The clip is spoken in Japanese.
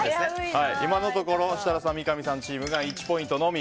今のところ設楽さん・三上アナチームが１ポイントのみ。